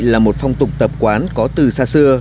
là một phong tục tập quán có từ xa xưa